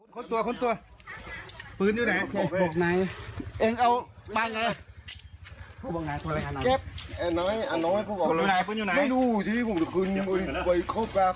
ค้นตั๋วค้นตั๋วปืนอยู่ไหน